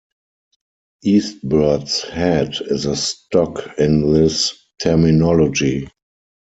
East Bird's Head is a stock in this terminology.